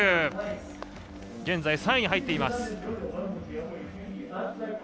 現在３位に入っています。